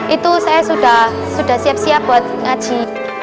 itu saya sudah siap siap buat ngaji